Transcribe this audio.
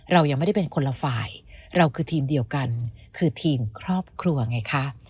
เรายังไม่ได้เป็นคนละฝ่ายเราคือทีมเดียวกันคือทีมครอบครัวไงคะ